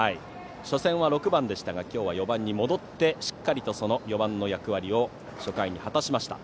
初戦は６番でしたが今日は４番に戻ってしっかりと４番の役割を初回に果たしました。